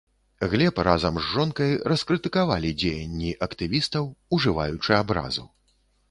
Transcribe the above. Глеб разам з жонкай раскрытыкавалі дзеянні актывістаў, ужываючы абразу.